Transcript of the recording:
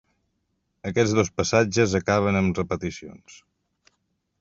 Aquests dos passatges acaben amb repeticions.